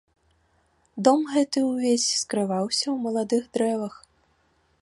Дом гэты ўвесь скрываўся ў маладых дрэвах.